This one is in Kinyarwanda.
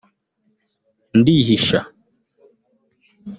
ndihisha